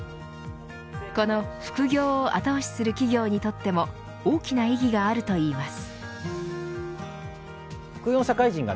この副業を後押しする企業にとっても大きな意義があるといいます。